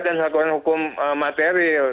dan aturan hukum material